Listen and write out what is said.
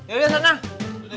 eh gua beli